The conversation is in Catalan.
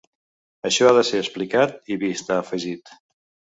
Això ha de ser explicat i vist, ha afegit.